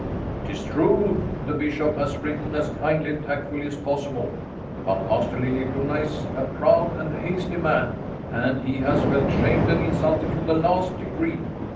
It is true the Bishop has written as kindly and tactfully as possible, but Pastor Liliecrona is a proud and hasty man and he has felt shamed and insulted to the last degree.